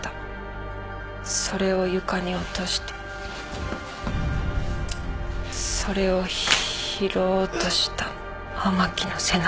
それを床に落としてそれを拾おうとした甘木の背中に。